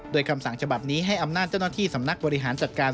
โดยคำสั่งฉบับนี้ให้อำนาจเจ้าหน้าที่สำนักบริหารจัดการ